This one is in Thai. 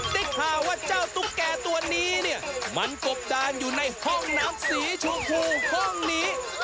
ได้ข่าวว่าเจ้าตุ๊กแก่ตัวนี้เนี่ยมันกบดานอยู่ในห้องน้ำสีชมพูห้องนี้